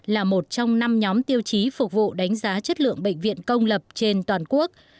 là một trong năm nhóm tiêu chí phục vụ đánh giá chất lượng bệnh viện công lập trên toàn quốc